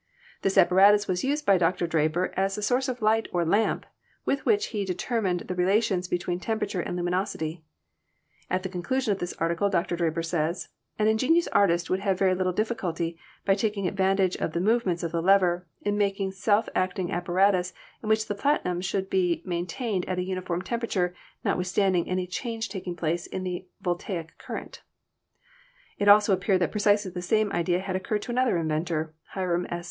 This apparatus was used by Dr. Draper as a source of light or lamp with which he deter mined the relations between temperature and luminosity. At the conclusion of his article Dr. Draper says: 'An in genious artist would have very little difficulty, by taking advantage of the movements of the lever, in making a self acting apparatus in which the platinum should be main tained at a uniform temperature notwithstanding any change taking place in the voltaic current/ "It also appeared that precisely the same idea had oc curred to another inventor, Hiram S.